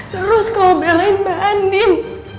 terus kamu belain mba andim